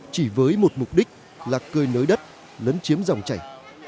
chỉ với một mục đích là cơi nới đất lấn chiếm dòng chảy